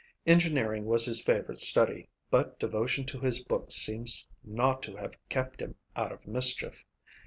Engineering was his favorite study, but devotion to his books seems not to have kept him out of mischief.